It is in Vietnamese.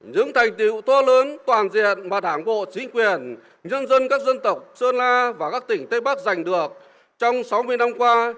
những thành tiệu to lớn toàn diện mà đảng bộ chính quyền nhân dân các dân tộc sơn la và các tỉnh tây bắc giành được trong sáu mươi năm qua